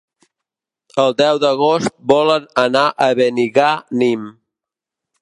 El deu d'agost volen anar a Benigànim.